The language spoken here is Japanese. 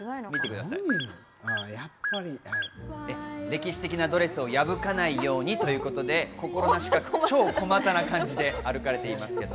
歴史的なドレスを破かないようにということで、心なしか超小股な感じで歩かれています。